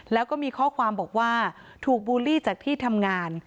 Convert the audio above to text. แล้วก็มีข้อความบอกว่าถูกบูลลี่จากที่ทำงาน